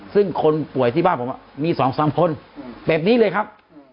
ซึ่งคนป่วยที่บ้านผมมี๒๓คนแบบนี้เลยครับ